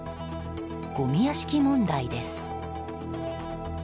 ごみ屋敷問題です。